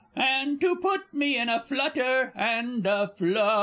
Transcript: _ And to put me in a flutter and a flush!